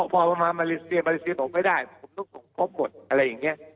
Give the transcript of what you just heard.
พอมามาเลเซียมาเลเซียบอกไม่ได้ผมต้องส่งครบหมดอะไรอย่างนี้